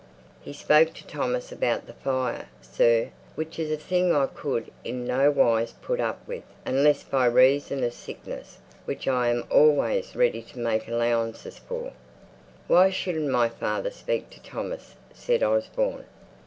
He spoke to Thomas about the fire, sir, which is a thing I could in nowise put up with, unless by reason of sickness, which I am always ready to make allowances for." "Why shouldn't my father speak to Thomas?" said Osborne.